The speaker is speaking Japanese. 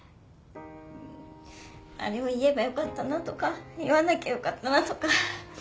あれを言えばよかったなとか言わなきゃよかったなとか。